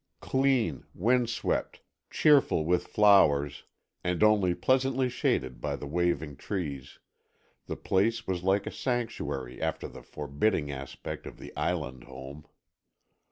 Clean, wind swept, cheerful with flowers and only pleasantly shaded by the waving trees, the place was like sanctuary after the forbidding aspect of the island home.